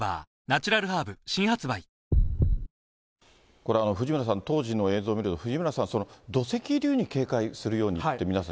これ、藤村さん、当時の映像を見ると、藤村さん、土石流に警戒するようにって、皆さん。